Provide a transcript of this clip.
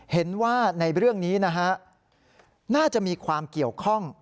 เห็นว่าในเรื่องนี้นะฮะน่าจะมีความเกี่ยวข้อง